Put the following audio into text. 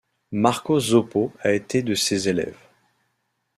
Marco Zoppo a été de ses élèves.